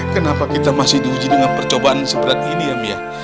kenapa kita masih di uji dengan percobaan seberat ini ya umi ya